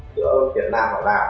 giữa việt nam và lào